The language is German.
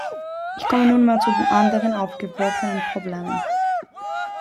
Ich komme nunmehr zu den anderen aufgeworfenen Problemen.